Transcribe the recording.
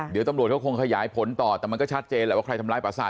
เดี๋ยวตำรวจเขาคงขยายผลต่อแต่มันก็ชัดเจนแหละว่าใครทำร้ายประสาท